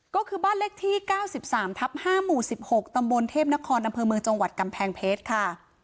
ก็คือบ้านเลขที่๙๓ทับ๕หมู่๑๖ตำบลเทพนครอำเภอเมืองจังหวัดกำแพงเพชรค่ะ